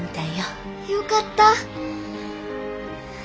よかった！